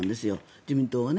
自民党はね。